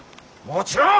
もちろん！